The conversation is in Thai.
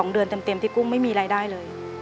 เหมือนที่กุ้งไม่มีรายได้เลย